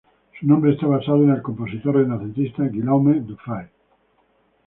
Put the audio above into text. Su nombre está basado en el compositor renacentista Guillaume Dufay.